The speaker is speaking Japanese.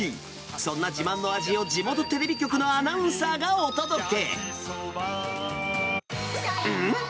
そんな自慢の味を、地元テレビ局のアナウンサーがお届け。